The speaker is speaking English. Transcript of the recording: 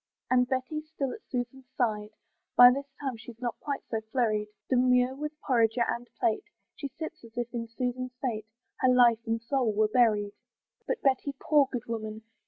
And Betty's still at Susan's side: By this time she's not quite so flurried; Demure with porringer and plate She sits, as if in Susan's fate Her life and soul were buried. But Betty, poor good woman!